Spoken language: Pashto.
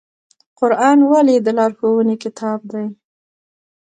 قرآن ولې د لارښوونې کتاب دی؟